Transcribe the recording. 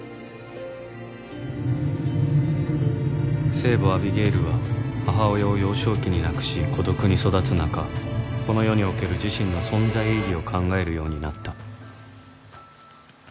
「聖母アビゲイルは母親を幼少期になくし孤独に育つ中この世における自身の存在意義を考えるようになった」